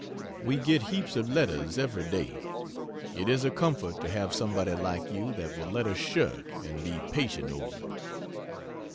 We get heaps of letters every day; it is a comfort to have somebody like you that will let us shirk and be patient over it.